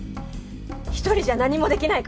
１人じゃ何もできないから。